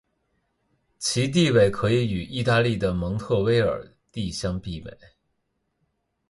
其地位可以与意大利的蒙特威尔第相媲美。